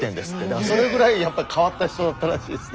だからそれぐらいやっぱり変わった人だったらしいですね。